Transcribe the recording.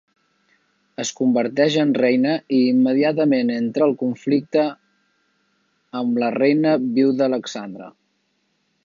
Es converteix en reina i immediatament entre en conflicte amb la reina viuda Alexandra.